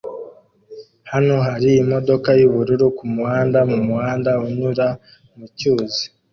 Hano hari imodoka yubururu kumuhanda mumuhanda unyura mucyuzi